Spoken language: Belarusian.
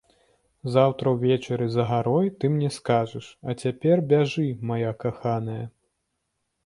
Заўтра ўвечары за гарой ты мне скажаш, а цяпер бяжы, мая каханая!